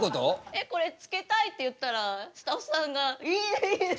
えこれつけたいって言ったらスタッフさんが「いいねいいね！」